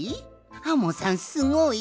アンモさんすごい？